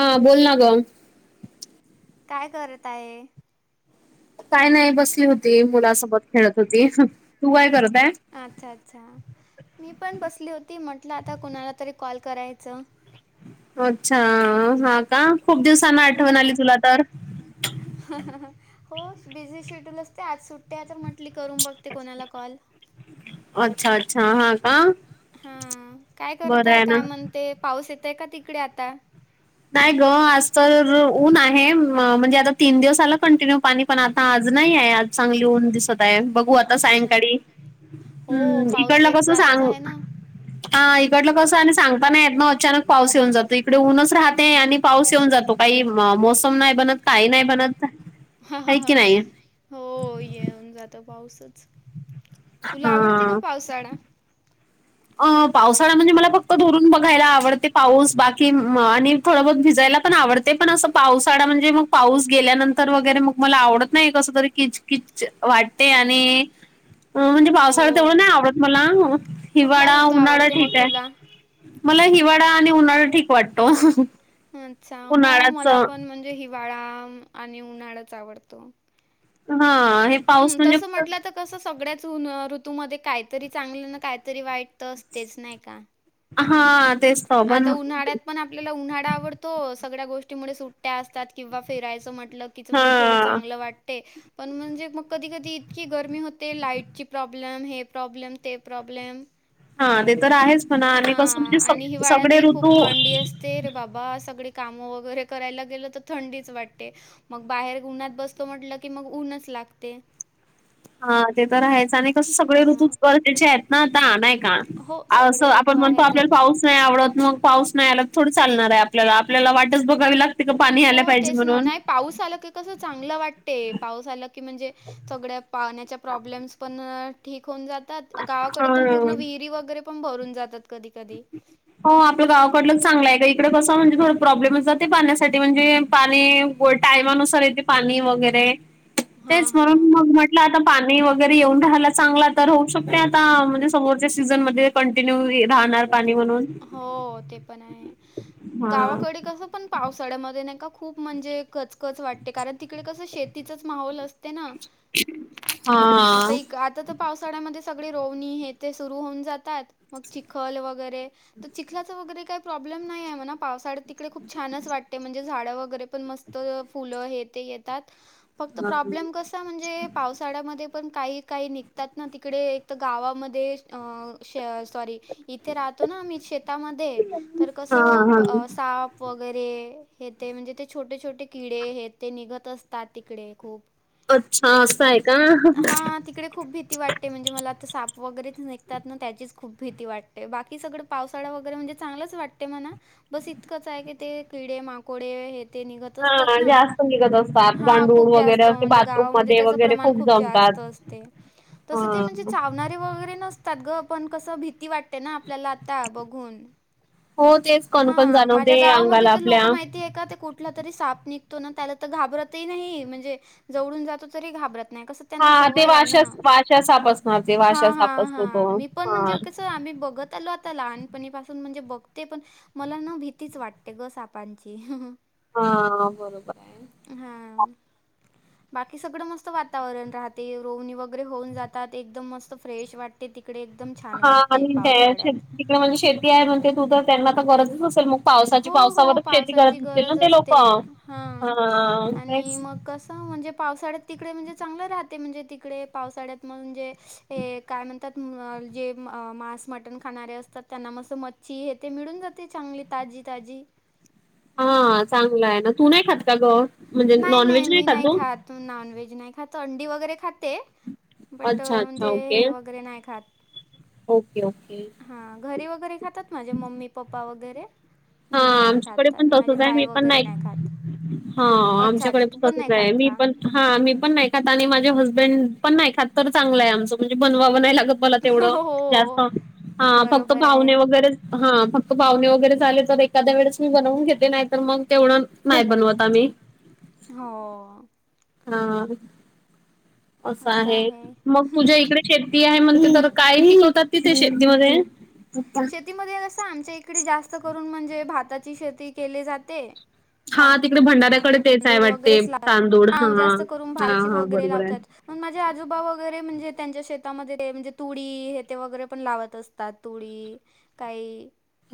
हां बोल ना गं. काय करत आहे? काय नाही बसली होते, मुलासोबत खेळत होते, तू काय करत आहे? अच्छा अच्छा, मी पण बसली होती, म्हटलं आता कुणाला तरी कॉल करायचं. अच्छा हा का, खूप दिवसांनं आठवण आली तुला तर. [inaudible] हहहहहह.. हो, बिझी शेड्यूल असते, आज सुट्टी आहे तर म्हटली करून बघते कोणाला कॉल. अच्छा अच्छा हा का. हां, काय बरं करताय आहे, ना काय म्हणते, पाऊस येतय का तिकडे आता? नाही ग आज तर ऊन आहे, म्हणजे आता तीन दिवस आला कंटिन्यू पाणी पण आता आज नाही आहे, आज चांगली ऊन दिसत आहे बघ होत अच्छा सायंकाळी, हो हम्म पाऊस इकडला येत कस जातच सांग आहे ना. हा इकडल कसं आणि सांगता नाही, येना अचानक पाऊस येऊन जातो इकडे ऊनच राहत ते आणि पाऊस येऊन जातो, काही मोसम नाही बनत काही नाही बनत हा हा आहे की नाही हो येऊन जातो पाऊसच. तुला आवडते का हा. पावसाळा? अ पावसाळा म्हणजे मला फक्त दुरून बघायला आवडते पाऊस बाकी आणि थोडं बहोत भिजायला पण आवडते, पण असं पावसाळा म्हणजे मग पाऊस गेल्यानंतर वगैरे मग मला आवडत नाही, कसं तरी किचकिच वाटते आणि [inaudible] अ म्हणजे पावसाळ हो तेवढं नाही आवडत मला, कुठला हिवाळा ऋतू उन्हाळा आवडते ठीक मग तुला? आहे मला हिवाळा आणि उन्हाळा ठीक वाटतो. अच्छा! हो उन्हाळ्याच मला पण म्हणजे हिवाळा आणि उन्हाळाच आवडतो. हा हे. पाऊस हम्म म्हणजे तसं म्हटलं तर कसं सगळ्याच ऋतूमध्ये काहीतरी चांगलं ना, काहीतरी वाईट तर असतेच नाही का? हा तेच. तर आता पण उन्हाळ्यात. पण आपल्याला उन्हाळा आवडतो, सगळ्या गोष्टीमुळे सुट्ट्या असतात किंवा फेरायचं म्हटलं म्हणजे थोडं हा चांगलं वाटते. पण म्हणजे मग कधी कधी इतकी गरमी होते, लाईटची प्रॉब्लेम हे प्रॉब्लेम ते प्रॉब्लेम. हा ते तर आहेच म्हणा, आणि कसं हां म्हणजे सग सगळे ऋतू ते रे बाबा सगळी कामं वगैरे करायला गेलं तर थंडीच वाटते मग बाहेर उन्हात बसतो म्हटलं की, मग उन्हच लागते. हा ते तर आहेच, आणि कसं सगळे हां. ऋतूच गरजेचे आहेत ना आता आण का, हो असं सगळे ऋतू आपण म्हणतो आपल्याला आहेतच. पाऊस नाही आवडत मग पाऊस नाही आला थोडं चालणार आहे आपल्याला आपल्याला वाटच बघावी ला तिथं पाणी आलं हो पाहिजे तेच ना. म्हणून. नाही पाऊस आला की कसं चांगलं‌ वाटते, पाऊस आल की म्हणजे सगळ्या, पाण्याचे प्रॉब्लेम्स पण ठीक होऊन जातात हा. गावाकडे तर पूर्ण विहिरी वगैरे पण भरून जातात. कधी-कधी. हो आपल्या गावाकडलं चांगलं आहे का? इकडें कसं म्हणजे थोड प्रॉब्लेम जाते पाण्यासाठी म्हणजे पाणी होय, टायमानुसार येते पाणी वगैरे तेच हां, हां. म्हणून मग आता पाणी वगैरे येऊन राहायला चांगला तर होऊ शकते आता, म्हणजे समोरच्या सीझनमध्ये कंटिन्यू राहणार पाणी म्हणून हो ते पण आहे, हा. गावाकडे कसं पण ‌पावसाळ्यामध्ये नाही का खूप कचकच वाटते, कारण तिकडे कसं शेतीचाच माहोल असत ते ना आता. हा. आता तर पावसाळ्यामध्ये सगळी, रोवणी हे ते सुरु होऊन जातात मग चिखल वगैरे तर चिखलाचं वगैरे काही प्रॉब्लेम नाही आहे म्हणा पावसाळ्या तिकडे खूप छानच वाटते म्हणजे झाडं वगैरे पण मस्त फुल हे ते येतात, फक्त प्रॉब्लेम कसा म्हणजे पावसाळ्यामध्ये पण काही काही निघतात ना, तिकडे एक तर गावामध्ये अ सॉरी इथे राहतो ना आम्ही शेतामध्ये, तर हा हा कसं साप वगैरे हे ते म्हणजे ते, छोटे छोटे किडे हे ते निघत असतात तिकडे खूप अच्छा असं आहे का. हां, तिकडे खूप भीती वाटते म्हणजे मला आता साप वगैरेच निघतात ना त्याचीच खूप भीती वाटते बाकी सगळ. पावसाळा वगैरे म्हणजे चांगलंच वाटते म्हणा बस इतकंच आहे की ते किडे माकोडे. ते निघत हा असतात ना जास्त निघत असतात हा खूप गांडूळ वगैरे जास्त असे बाथरूम गावामध्ये मध्ये त्याच वगैरे खूप जास्त जमतात अस. हा तसं ते म्हणजे चावना. वगैरे नसतात ग पण कस भीती वाटते ना आपल्याला आता बघून. हो तेच कणकण हां, माझ्या जाणवते गावामध्ये अंगाला तर आपल्या लोकं माहिती आहे का ते कुठला तरी साप निघतो ना त्याला तर घाबरतही नाही म्हणजे जवडून जातो तरी घाबरत नाही कस. त्यांना हा ते सवय आहे वाशा ना वाशा साप असणार ते ह वाशा हा साप हा असतो तो मी पण हा म्हणजे कसं आम्ही बघत आलो. ता लहानपणी पाासून म्हणजे बघते पण मला न भीतीच वाटते ग सापांची. हा बरोबर‌ हे. हा. बाकी सगळं मस्त वातावरण राहते रोवणी वगैरे होऊन जातात एकदम मस्त फ्रेश वाटते तिकडे एकदम. छान हा वाटते आणि पावसाळ्यात. तिकडे म्हणजे शेती आहे म्हणते तू तर त्यांना तर गरजच असेल मग. पावसाची हो, हो. पावसावरच शेती करत पावसाची असतील ना गरज ते लोक असते. हां. हा आणि तेच. मग कसं म्हणजे पावसाळ्यात तिकडे म्हणजे चांगलं राहते म्हणजे तिकडे पावसाळ्यात मग म्हणजे हे काय म्हणतात जे मांस मटण खाणारे असतात त्यांना मस्ं मत छी हे ते मिळून जाते चांगली ताजी ताजी. हा चांगल आहे ना तू नाही खात का ग म्हणजे नॉन व्हेज नाही खात तु. नॉनव्हेज नाही खात अंडी वगैरे खाते बट अच्छा, अच्छा. म्हणजे हे ओके. वगैरे नाही खात. Okay okay. हा घरी वगैरे खातात माझे मम्मी पप्पा वगैरे. हा मी नाही आमच्याकडे खात पण आणि माझे तसच आहे ताई मी पण वगैरे नाही. खात. हा अच्छा, अच्छा. आमच्याकडे तू पण तसच नाही आहे खात मी का? पण. हा मी पण नाही खात आणि माझे हजमेडपण नाही खात तर चांगलं आहे आमचं म्हणजे बनवा व नाही लागत बनवाव लागत. मला तेवढं जास्त हो हा फक्त बरोबर आहे. पाहुणे वगैरे च हा फक्त पाहुणे वगैरे झाले. एखाद्या वेळेस मी बनवून घेते नाही तर मग तेवढं नाही बनवत आम्ही. हो. हा असं आहे मग तुझ्या इकडे. शेती आहे म्हणते तर काहिहि होतात तिथे शेतीमध्ये शेतीमध्ये कस आमच्या इकडे जास्त करून म्हणजे भाताची शेती केली जाते. हा तिकडे भंडाऱ्याकडे तेच आहे तांदूळ वाटते वगैरेच लावतात. तांदूळ हा हा हा बरोबर आहे. मग माझे आजोबा वगैरे म्हणजे त्यांच्या शेतामध्ये म्हणजे तुडी हे ते वगैरे पण लावत असते. ता तुळी काही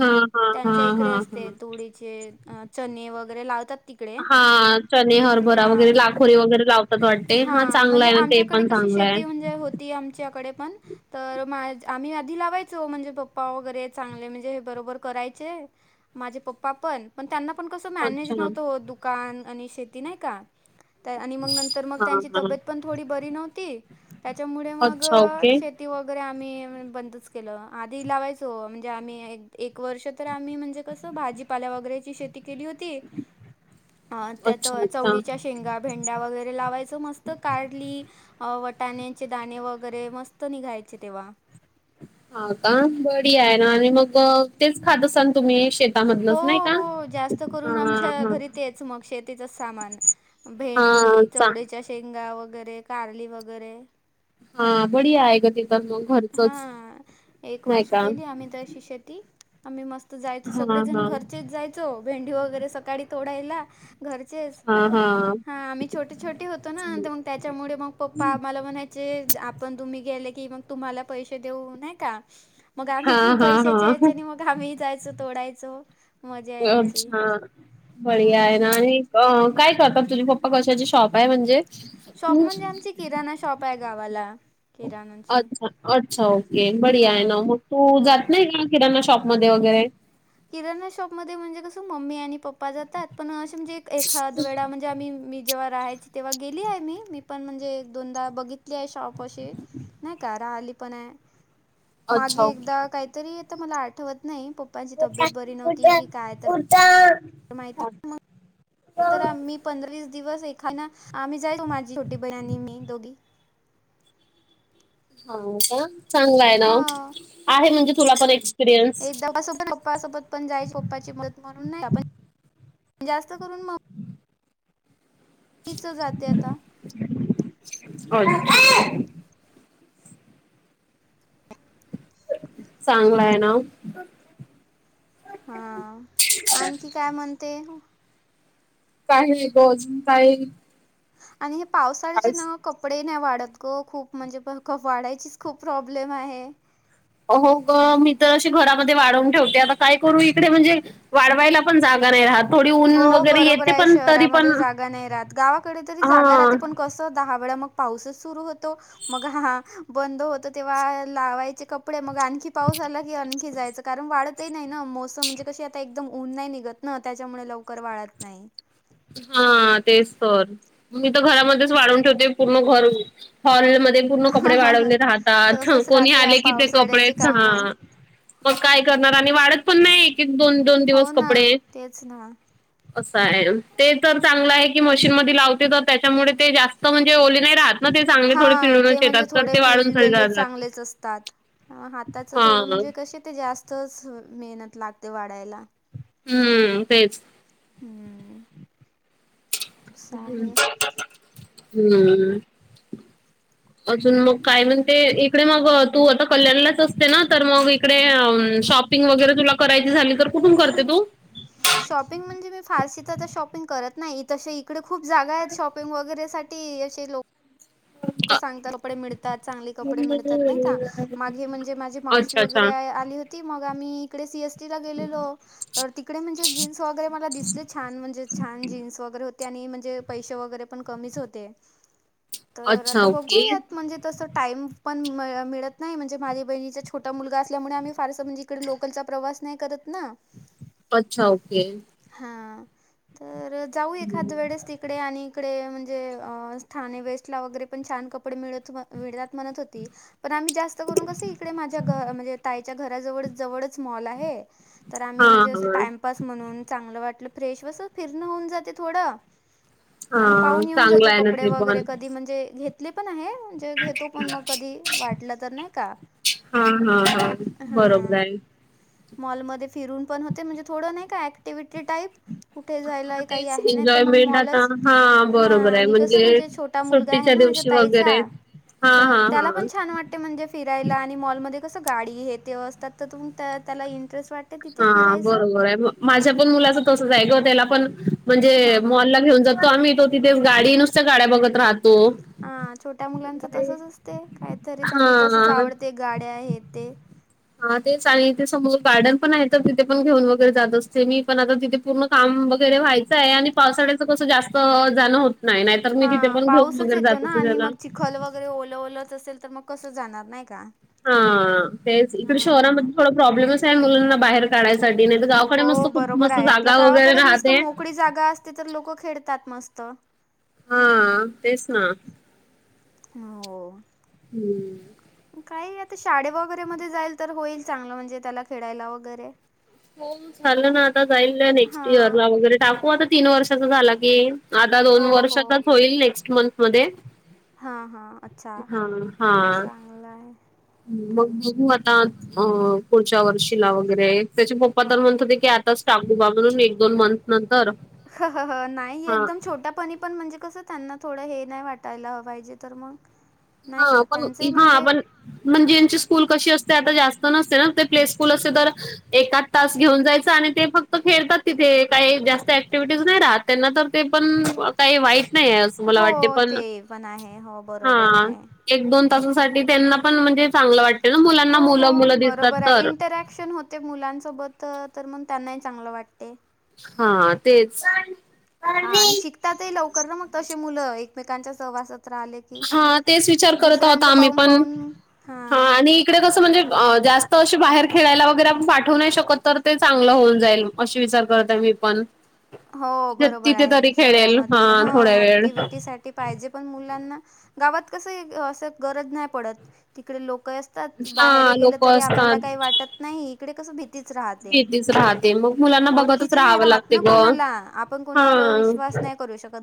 हा हा हा त्यांच्या इकडे हा असते हा. तुळीचे. चने वगैरे लावतात. तिकडे. हा. चने हरभरा वगैरे हा लाखोरी वगैरे लावतात वाटते हा हां, चांगलं म्हणजे आहे न ते आमच्याकडे पण कशी चांगलं आहे. शेती होती आमच्याकडे पण. तर मा आम्ही आधी लावायचो म्हणजे पप्पा वगैरे चांगले म्हणजे हे बरोबर करायचे. माझे पप्पा पण पण त्यांना पण कसं मॅनेज अच्छा नव्हतं दुकान आणि शेती नाही का. त्या आणि मग नंतर मग हा हा तब्येत पण थोडी नव्हती त्याच्यामुळे मग अच्छा ओके शेत वगैरे आम्ही बंदच आधी लावायचं हो आम्ही एक एक वर्ष तर आम्ही म्हणजे कसं. भाजीपाल्या वगैरेची शेती केली होती. अ त्यात अच्छा अच्छा. चवळीच्या शेंगा भेंड्या वगैरे लावायचो मस्त कारली. अ वटाण्याचे दाणे वगैरे मस्त निघायचे तेव्हा. हा का बडीया आहे ना आणि मग तेच खात असाल तुम्ही. हो शेतामधलंच नाही का? हो जास्त करून हा आमच्या हा घरी. तेच मग शेतीच सामान हा भेंडी चा चवळीच्या. शेंगा वगैरे कारली वगैरे. हा बडिया आहे ग. ते तर मग हा घरचच एक नाही वर्ष का केली आम्ही त अशी शेती. आम्ही मस्त जायचो हा सगळेजण हा घरचेच जायचो भेंडी वगैरे सकाळी तोडायला. घरचेच हा हा हा आम्ही. छोटे छोटे होतो न मग त्याच्यामुळे मग पप्पा मला म्हणायचे आपण तुम्ही गेले. की मग तुम्हाला पैसे देऊ नाहिका मग आम्ही हा पण हा पैशाच्या हा याच्या ने मग. आम्ही जायचो तोडायचो. मजा यायची. अच्छा बडिया आहे हां. ना हि अ काय करतात तुझी पप्पा कशाची शॉप आहे म्हणजे शॉप म्हणजे आमची किराणा शॉप आहे गावाला. किराणाची. अच्छा अच्छा ओके बडिया आहे हां. मग तू जात हो. का. किरणा शॉपमध्येध्ये वगैरे. किराणा शॉपमध्ये म्हणजे कसं मम्मी आणि पप्पा जातातपण म्हणजे एखाद वेळा म्हणज जे मी मी जेव्हा राहायची तेव्हा गेली आहे मी मी पण म्हणजे एक दोनदा बघितली आहे शॉप अशी नाही का राहिली पण आहे अच्छा मागे ओके एकदा काहीतरी तर मला आठवत नाही पप्पा. [unintelligible] तर माहित. [inaudible] तर आम्ही पंधरा वीस दिवस एखादा आम्ही जायचो माझी छोटी बहिण आणि मी दोघी. हा का चांगला आहे ना आहे म्हणजे तुला पण एक. एकदाोबत पप्पासोबत ण जायच पप्पाची मदत म्हणून नाही आपण जास्त करून मग. तिच जाते आता. होय. चांगला आहे ना. हा आणखी काय म्हणते? काय बोज काही. आणि हे पावसाळ्याचे नाव. कपडे नाही वाडत गो खूप म्हणजे प क वाडायचीच खूप प्रॉब्लेम आहे. हो ग मी तर वाढवून ठेवते आता काय करू इकडे म्हणजे वाडवायला पण जागा नाही राहत. थोडी ऊन हो वगैरे बरोबर येते आहे पण तरी पण शहरामध्ये जागा नाही राहात गावाकडे तरी हा जागा राहते पण कस. दहा वेळा मग पाऊसच सुरु होतो मग हा बंद होत तेव्हा लावायचे कप कडे मग आणखी पाऊस आला की आणखी जायच. कारण वाडतही नाही ना मोसम म्हणजे कशी आता एकदम ऊन नाही निघत ना त्याच्यामुळे लवकर वाळत नाही. हा तेच तर. मी तर घरामध्येच वाडवून ठेवते पूर्ण घर हॉलमध्ये. पूर्ण कपडे वाढवले राहातात तसंच कोणी राहते ह्या आले कि ते पावसाळ्याची कपडेच कामं. ह. मग काय करणार आणि वाडत पण नाही एक एक दोन दोन हो दिवस ना, कपडे. तेच ना. असं आहे. ते तर चांगलं आहे की मशीनमध्ये लावते तर त्याच्यामुळे ते जास्त म्हणजे ओले नाही राहत. ना ते चांगले थोडे हा ते पिळूनच येतात म्हणजे तर थोडे ते वाढून थोडे पिळलेले जातात चांगलेच असतात ह हाताच हा थोडं म्हणजे कसे ते जास्तच मेहनत लागते वाढायला. हम्म तेच. हम्म. असं आहे. हम्म. [inaudible] अजून मग काय म्हणते इकडे मग तू आता कल्याणलाच असते ना तर मग इकडे अ शॉप पिंग वगैरे तुला करायची झाली तर कुठून करते तू. शॉपिंग म्हणजे मी फारशी तर शॉपिंग करत नाहीत. इकडे खूप जागा आहेत शॉपिंग वगैरे साठी असे लोक. लोक अ- सांगत कपडे मिळतात चांगले कपडे मिळतात नाही का. माग हे म्हणजे माझे मावशी अच्छा वगैरे अच्छा आली होती मग आम्ही इकडे सीएसटी. गेलेलो तर तिकडे म्हणजे जीन्स वगैरे मला दिसले छान म्हणजे छान जीन्स वगैरे हो. त्यांनी म्हणजे पैसे वगैरे पण कमीच होते तर अच्छा आता ओके बघूयात म्हणजे तस. टाईम पण मिळत नाही म्हणजे माझी बहिणीचा छोटा मुलगा असल्यामुळे आम्ही फारस म्हणजे तडे लोकलचा प्रवास नाही करत ना. अच्छा ओके. हा तर जाऊ एखाद वेळेस तिकडे आणि इकडे म्हणजे ठाणे वेस्टला वगैरे पण छान कपडे मिळ मिळतात म्हणत होती. पण आम्ही जास्त करून कस इकडे माझ्या म्हणजे ताईच्या घराजवळ जवळच मॉल आहे. तर आम्ही हा म्हणजे असं हा टाइमपास म्हणून चांगलं वाटलं फ्रेश वसं फिरण होऊन जाते थोडं हा आणि पाहून येऊन चांगलं जातो आहे ना कपडे ते वेगळे कधी पण म्हणजे घेतले आहे. ते घेतो पण मग कधी वाटलं तर नाही का हा हा हा हा. बरोबर आहे मॉलमध्ये फिरून पण होते म्हणजे थोडं नाही का ऍक्टिव्हिटी टाईप. कुठे जायाला हा ही काही तेच आहे नाहीतर मग एन्जॉयमेंट आता बॉलच हा बरोबर आहे आणि कसं म्हणजे छोटं टा मुलगा आहे सुट्टीच्या ना माझ्या दिवशी वगैरे ताईचा हा तर हा त्याला हा पण छान वाट ते म्हणजे फिरायला आणि मॉलमध्ये कसं गाडी हे ते असतात त त्यातून त्याला इंटरेस्ट वाट. हा बरोबर ये मग. माझ्या पण मुलाचं तसचे ग त्याला पण म्हणजे हां हां मॉलला घेऊन जातो आम्ही तो. तिथेच गाडी नुसतं गाड्या बघत राहत. हा छोट्या मुलांचं तसंच असतं काहीतरी हा त्यांना तसंच आवडते गाड्या येते. हा तेच आणि इथे समोर गार्डन पणे तर तिथे पण घेऊन वगैरे जात असते मी पण आता तिथे पण. पूर्ण काम वगैरे व्हायचंय आणि पावसाळ्याचं कसं जास्त जाणं होत नाही नाहीतर. मी हा तिथे पण घेऊन पाऊसच वगैरे येतोय जात ना असे आणि त्याला मग चिखल बघ. गरे ओलं, उल्हास असेल तर मग कसं जाणार नाही का. हा तेच इकडं हां शहरांमध्ये थोडा प्रॉब्लेमचे मुलांना बाहेर तळ्यासाठी नाहीतर गावाकडं मस्त हो खूप मस्त जागा वगैरे राहते. पुढे जागा असं ती तर लोक खेडतात मग मस्त. हा तेच ना. हो. हुम. काही आत्ता शाळेबावरे मध्ये जाईल तर होईल चांगलं म्हणजे त्याला वगैरे. ओम झाला ना आता जाईल ना नेक्स्ट हां इयरला वेगळे टाकू आता तीन वर्षाचा झाला की. आत्ता दोन हो हो वर्षाचा होईल नेक्स्ट मंथ मध्ये. हा हा अच्छा हा चांगलं आहे. हुम बघशील मला पुढच्या वर्षी ला वगैरे. त्याचे पप्पा तर म्हणत होते की आत्ताच [unintelligible] बांधून निघ दोन बंद नंतर. हा हा हा नाही हा एकदम छोट्या पणी पण म्हणजे कसं दादा थोडा हे नाही वाटायला पाहिजे तर बघ. हा पण ई हा पण. म्हणजे यांची स्कूल कशी असते आत्ता जास्त नसते ना प्ले स्कूल असते तर एक आठज् घेऊन जायचं आणि ते फक्त खेळतात तिथे काय जास्त ऍक्टिव्हिटीज नाही राहत. त्यांना तर ते पण ताई वाईट नाय ये आज हो ते पण आहे हो हा बरोबरे. एक दोन तासासाठी त्यांना पण म्हणजे चांगलं वाटतं. हो हो बरोबर ए इंट्रॅक्शन होतं. ते मुलासोबत तर मग त्यांनाही चांगलं वाटतंय. हा तेच पा पाणी. तातही लवकर ना मग तशी मुलं एकमेकांच्या सहवासात राहिले. की हा तेच विचार करत होते आहोत दुसऱ्यांचं आम्ही पाहून पण पाहून हा हां आणि इकडं कसं म्हणजे जास्त बाहेर असे खेळायला वगैरे आपण पाठवू नाय शकत तर ते चांगलं होऊन जाईल. अशी विचार करते मी पण. हो बरोबर तिथे तरी आहे खेळेल शहरांमध्ये थोड्या हा वेळ ऍक्टिव्हिटी साठी श पाहिजे पण मुलांना गावात कसं एक असं गरज नाय पडत तिकडं लोक असं. तर हा बाहेरही गेलं लोक तरी आपल्याला असतात काय वाटत नाही इकडे कसं भीती भीतीच राहते भीतीच राहते मग मुलांना बघतच ओळखीचे नाही राहावं राहत लागते ना. ग कोणाला आपण कोणावर हा विश्वास नाही करू शकत.